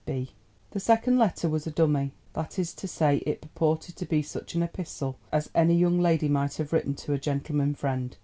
—B." The second letter was a dummy. That is to say it purported to be such an epistle as any young lady might have written to a gentleman friend.